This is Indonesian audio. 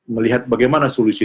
melihat bagaimana solusi